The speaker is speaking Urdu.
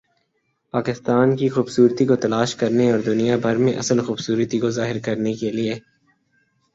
پاکستان کی خوبصورتی کو تلاش کرنے اور دنیا بھر میں اصل خوبصورتی کو ظاہر کرنے کے لئے